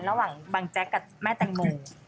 ระหว่างบังแจ๊กกับแม่แตงโม